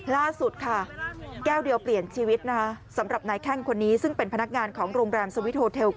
ล่าสุดค่ะแก้วเดียวเปลี่ยนชีวิตสำหรับนายแค่งคนนี้